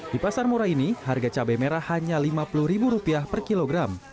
di pasar murah ini harga cabai merah hanya rp lima puluh per kilogram